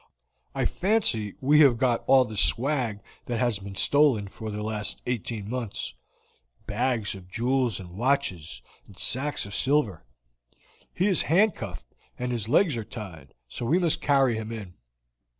I fancy we have got all the swag that has been stolen for the last eighteen months bags of jewels and watches, and sacks of silver. He is handcuffed, and his legs are tied, so we must carry him in."